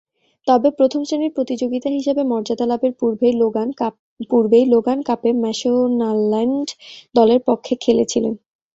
তবে, প্রথম-শ্রেণীর প্রতিযোগিতা হিসেবে মর্যাদা লাভের পূর্বেই লোগান কাপে ম্যাশোনাল্যান্ড দলের পক্ষে খেলেছিলেন।